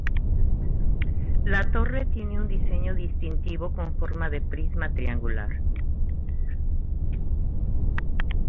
La torre tiene un diseño distintivo con forma de prisma triangular.